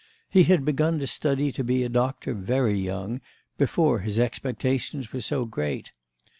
He had begun to study to be a doctor very young, before his expectations were so great.